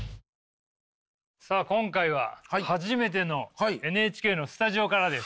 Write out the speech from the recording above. さあ今回は初めてのＮＨＫのスタジオからです。